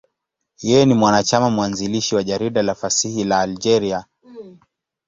Yeye ni mwanachama mwanzilishi wa jarida la fasihi la Algeria, L'Ivrescq.